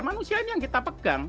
manusia ini yang kita pegang